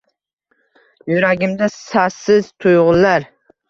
Yuragimda sassiz tuyg’ular